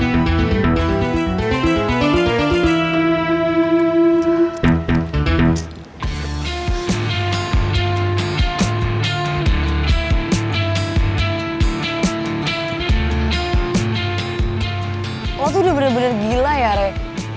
lo tuh udah bener bener gila ya rey